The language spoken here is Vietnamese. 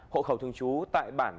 hộ khẩu thường chú tại bản